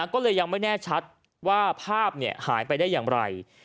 ก็เลยยังไม่แน่ชัดว่าภาพหายไปได้อย่างไร